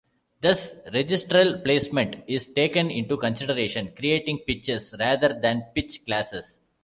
Thus regristral placement is taken into consideration, creating pitches rather than pitch classes.